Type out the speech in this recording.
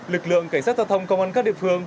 lực lượng cảnh sát giao thông công an các địa phương